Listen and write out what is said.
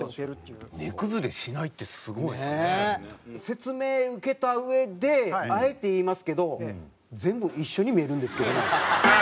説明受けたうえであえて言いますけど全部一緒に見えるんですけどね。